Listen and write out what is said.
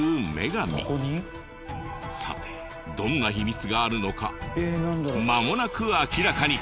さてどんな秘密があるのかまもなく明らかに！